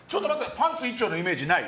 パンツ一丁のイメージない？